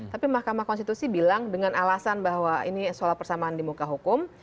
tapi mahkamah konstitusi bilang dengan alasan bahwa ini sholat persamaan di muka hukum